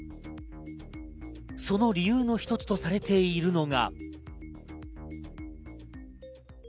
その理由の１つとされているのが。